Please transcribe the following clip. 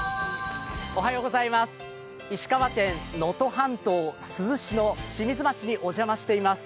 石川県能登半島珠洲市の清水町にお邪魔しています。